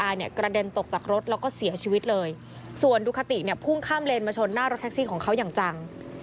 เนี่ยกระเด็นตกจากรถแล้วก็เสียชีวิตเลยส่วนดูคาติเนี่ยพุ่งข้ามเลนมาชนหน้ารถแท็กซี่ของเขาอย่างจัง